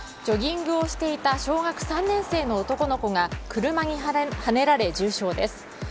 ジョギングをしていた小学３年生の男の子が車にはねられ重傷です。